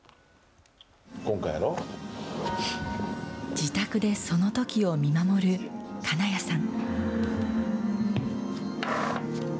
自宅でそのときを見守る金谷さん。